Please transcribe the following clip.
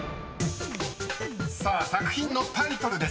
［さあ作品のタイトルです。